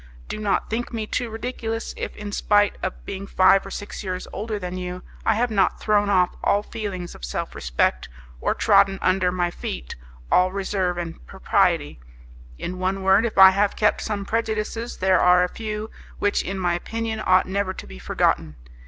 Do not think me too ridiculous if, in spite of being five or six years older than you, I have not thrown off all feelings of self respect, or trodden under my feet all reserve and propriety; in one word, if I have kept some prejudices, there are a few which in my opinion ought never to be forgotten.